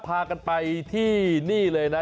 พากันไปที่นี่เลยนะ